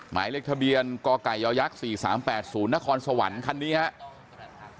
หมายเลขทะเบียนกไก่ย๔๓๘๐นครสวรรค์คันนี้ครับ